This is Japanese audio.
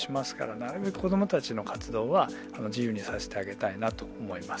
なるべく子どもたちの活動は、自由にさせてあげたいなと思います。